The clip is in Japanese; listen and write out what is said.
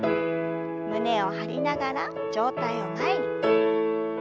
胸を張りながら上体を前に。